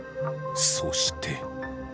そして。